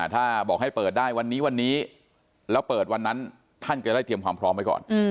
ถ้าบอกให้เปิดได้วันนี้วันนี้แล้วเปิดวันนั้นท่านจะได้เตรียมความพร้อมไว้ก่อน